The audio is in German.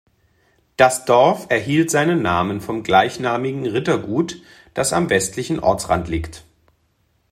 Das Dorf erhielt seinen Namen vom gleichnamigen Rittergut, das am westlichen Ortsrand liegt.